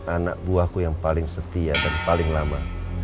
anak buahku yang paling setia dan paling lama